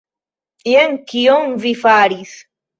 Jen kion vi faris.